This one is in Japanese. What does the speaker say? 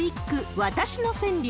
わたしの川柳。